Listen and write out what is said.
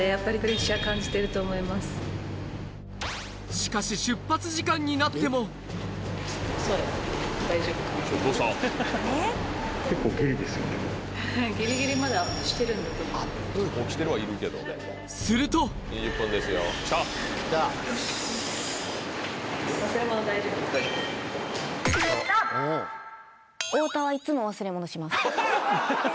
しかし出発時間になってもすると太田は。